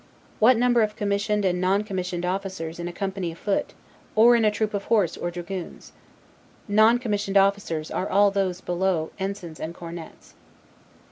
What number of commissioned and non commissioned officers in a company of foot, or in a troop of horse or dragoons? N. B. Noncommissioned officers are all those below ensigns and cornets.